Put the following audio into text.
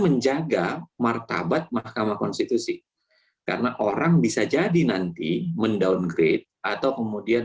menjaga martabat mahkamah konstitusi karena orang bisa jadi nanti mendowngrade atau kemudian